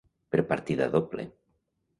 Per partida doble.